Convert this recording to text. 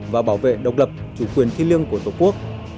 và bảo vệ độc lập chủ quyền thiên liêng của tổ quốc